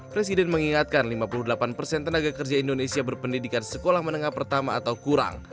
presiden mengingatkan lima puluh delapan persen tenaga kerja indonesia berpendidikan sekolah menengah pertama atau kurang